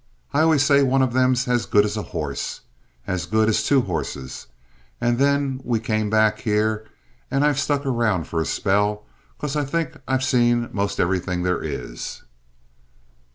I always say one of 'em's as good as a horse as good as two horses. An' then we came back here and I've stuck around for a spell 'cause I think I've seen most everything there is."